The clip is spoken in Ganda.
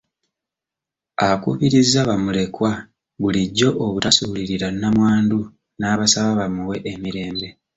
Akubirizza bamulekwa bulijjo obutasuulirira nnamwandu n’abasaba bamuwe emirembe.